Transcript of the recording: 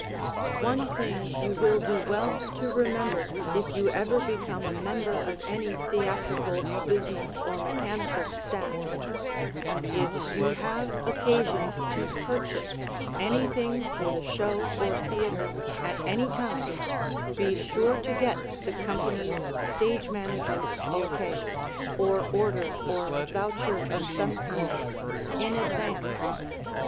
One thing you will do well to remember if you ever become a member of any theatrical business or mechanical staff: If you have occasion to purchase anything for the show or theatre at any time, be sure to get the company's stage manager's OK, or order or voucher of some kind in advance.